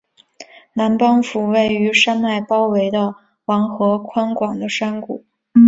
南邦府位处山脉包围的王河宽广的山谷。